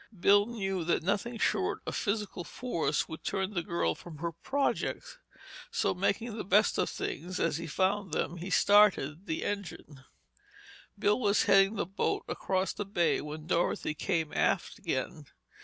Bill knew that nothing short of physical force would turn the girl from her project, so making the best of things as he found them, he started the engine. Bill was heading the boat across the bay when Dorothy came aft again.